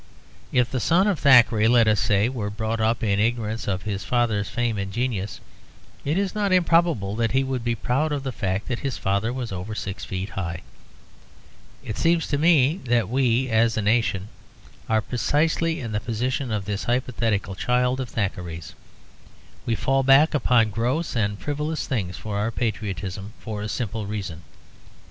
If the son of Thackeray, let us say, were brought up in ignorance of his father's fame and genius, it is not improbable that he would be proud of the fact that his father was over six feet high. It seems to me that we, as a nation, are precisely in the position of this hypothetical child of Thackeray's. We fall back upon gross and frivolous things for our patriotism, for a simple reason.